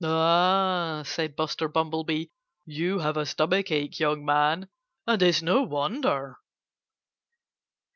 "Ah!" said Buster Bumblebee. "You have a stomachache, young man. And it's no wonder."